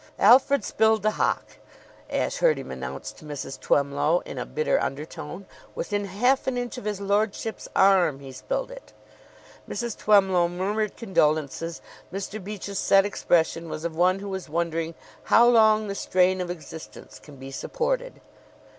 "Alfred spilled the hock!" Ashe heard him announce to Mrs. Twemlow in a bitter undertone. "Within half an inch of his lordship's arm he spilled it." Mrs. Twemlow murmured condolences. Mr. Beach's set expression was of one who is wondering how long the strain of existence can be supported.